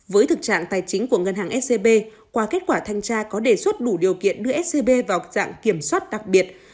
với thực trạng tài chính của ngân hàng scb qua kết quả thanh tra có đề xuất đủ điều kiện đưa scb vào dạng kiểm soát đặc biệt